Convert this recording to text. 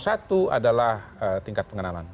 satu adalah tingkat pengenalan